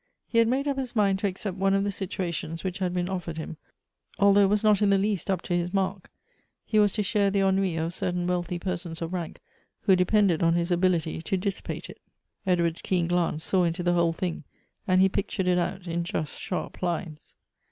He had made up his mind to accept one of the situations which had been offered him, although it was not in the least up to his mark. He was to share the ennui of certain wealthy per sons of rank, who depended on his ability to dissipate it, Edward's keen glance saw into the whole thing, and he pictured it out in just, sharp lines.